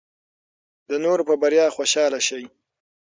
د نورو په بریا خوشحاله شئ.